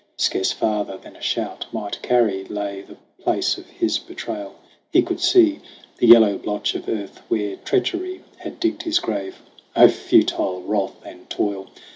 Scarce farther than a shout might carry, lay The place of his betrayal. He could see The yellow blotch of earth where treachery Had digged his grave. O futile wrath and toil